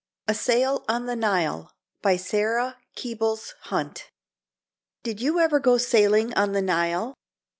A SAIL ON THE NILE. BY SARA KEABLES HUNT. Did you ever go sailing on the Nile?